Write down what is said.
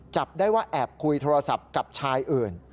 จับได้ว่าแอบคุยโทรศัพท์กับชายอื่น